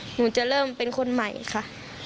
หนูจะเริ่มเป็นคนใหม่ค่ะ